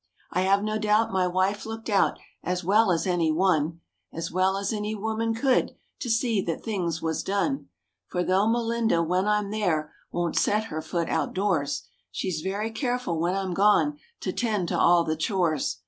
I have no doubt my wife looked out, as well as any one As well as any woman could to see that things was done: For though Melinda, when I'm there, won't set her foot outdoors, She's very careful, when I'm gone, to tend to all the chores.